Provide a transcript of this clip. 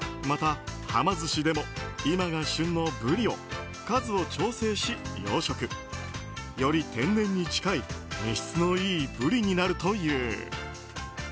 また、はま寿司でも今が旬のブリを数を調整し養殖。より天然に近い身質のいいブリになるという。